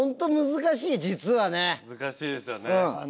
難しいですよね。